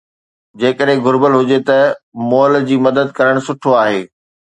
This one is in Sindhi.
جيڪڏهن گهربل هجي ته مئل جي مدد ڪرڻ سٺو آهي.